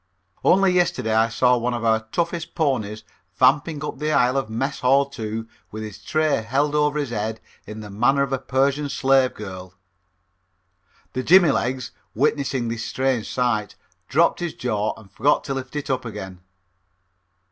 Only yesterday I saw one of our toughest ponies vamping up the aisle of Mess Hall No. 2 with his tray held over his head in the manner of a Persian slave girl. The Jimmy legs, witnessing this strange sight, dropped his jaw and forgot to lift it up again.